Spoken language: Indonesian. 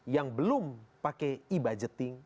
yang belum pakai e budgeting